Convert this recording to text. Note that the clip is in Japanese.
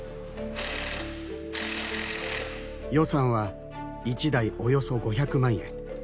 予算は１台およそ５００万円。